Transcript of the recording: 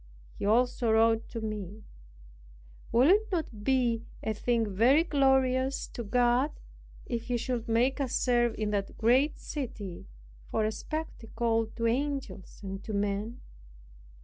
He also wrote to me, "Will it not be a thing very glorious to God, if He should make us serve in that great city, for a spectacle to angels and to men?"